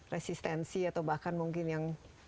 resistensi atau bahkan mungkin yang